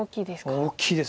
大きいです。